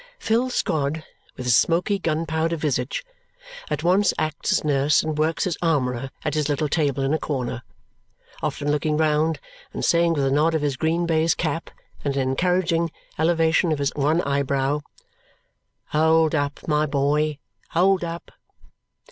Phil Squod, with his smoky gunpowder visage, at once acts as nurse and works as armourer at his little table in a corner, often looking round and saying with a nod of his green baize cap and an encouraging elevation of his one eyebrow, "Hold up, my boy! Hold up!"